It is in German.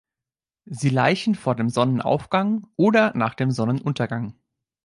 Sie laichen vor dem Sonnenaufgang oder nach dem Sonnenuntergang.